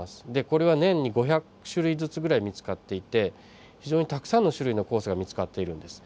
これは年に５００種類ずつぐらい見つかっていて非常にたくさんの種類の酵素が見つかっているんです。